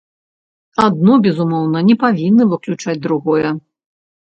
Адно, безумоўна, не павінна выключаць другое.